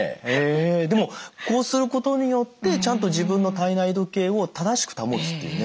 でもこうすることによってちゃんと自分の体内時計を正しく保つっていうね。